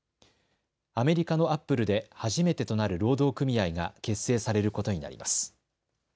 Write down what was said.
アメリカのアップルで初めてとなる労働組合が結成されることになります。